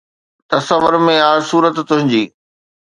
تصور ۾ آ صورت تنهنجي